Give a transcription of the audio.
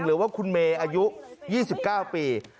หรือว่าคุณเมย์อายุ๒๙ปี